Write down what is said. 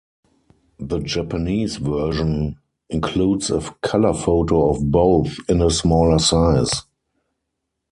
The Japanese version includes a colour photo of both in a smaller size.